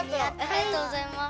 ありがとうございます。